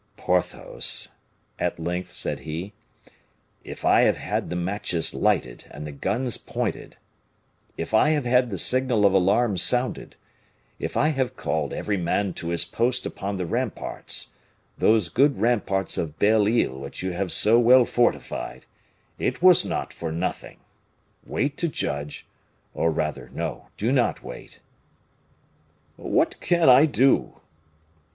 "Porthos," at length said he, "if I have had the matches lighted and the guns pointed, if I have had the signal of alarm sounded, if I have called every man to his post upon the ramparts, those good ramparts of Belle Isle which you have so well fortified, it was not for nothing. Wait to judge; or rather, no, do not wait " "What can I do?"